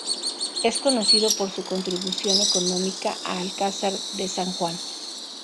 Es conocido por su contribución económica a Alcázar de San Juan.